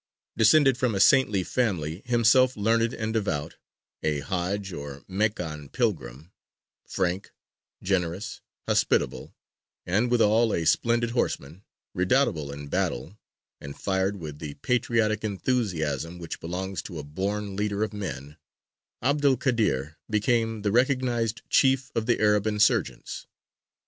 Descended from a saintly family, himself learned and devout, a Hāj or Meccan pilgrim; frank, generous, hospitable; and withal a splendid horseman, redoubtable in battle, and fired with the patriotic enthusiasm which belongs to a born leader of men, 'Abd el Kādir became the recognized chief of the Arab insurgents.